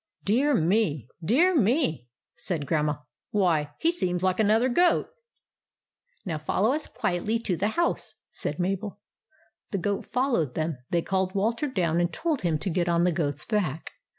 "Dear me! Dear me!" said Grandma. " Why, he seems like another goat !"" Now follow us quietly to the house," said Mabel. The goat followed them. They called Walter down and told him to get on the goat's back.